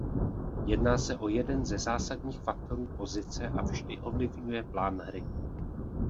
Jedná se o jeden ze zásadních faktorů pozice a vždy ovlivňuje plán hry.